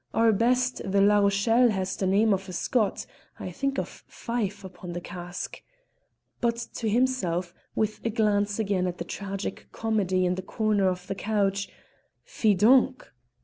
Our best, the La Rochelle, has the name of a Scot I think of Fife upon the cask;" but to himself, with a glance again at the tragic comedy in the corner of the couch, "_Fi donc!